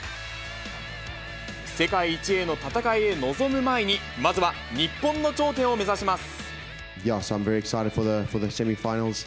世界一への戦いへ臨む前に、まずは日本の頂点を目指します。